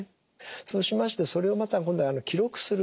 そうしましてそれをまた今度は記録する。